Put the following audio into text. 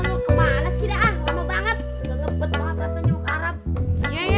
lo kemana sih dah lama banget